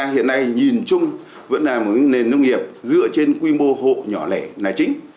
hiện nay nhìn chung vẫn là một nền nông nghiệp dựa trên quy mô hộ nhỏ lẻ là chính